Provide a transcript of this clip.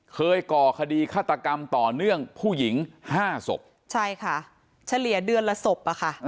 ก่อคดีฆาตกรรมต่อเนื่องผู้หญิงห้าศพใช่ค่ะเฉลี่ยเดือนละศพอะค่ะ